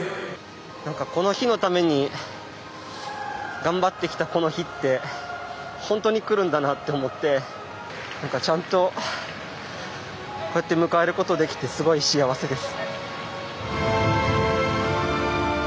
なんか、この日のために頑張ってきたこの日って本当にくるんだなと思ってちゃんと、こうやって迎えることができて、すごい幸せです。